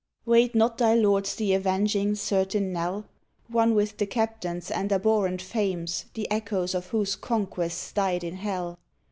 Wait not thy lords the avenging, certain knell One with the captains and abhorrent fames The echoes of whose conquests died in Hell?